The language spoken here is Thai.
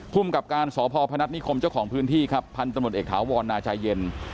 พุ่มกับการสพพนัทนิคมเจ้าของพื้นที่พันธนตรวจเอกถาววรนาใจเย็น